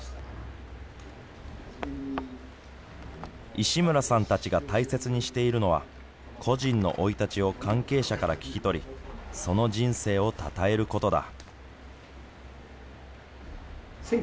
石村さんたちが大切にしているのは故人の生い立ちを関係者から聞き取りその人生をたたえることだ。